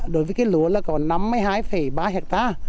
đối với cái lúa là còn năm mươi hai ba ha